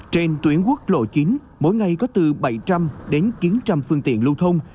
trên tuyến quốc lộ chín mỗi ngày có từ bảy trăm linh đến chín trăm linh phương tiện lưu thông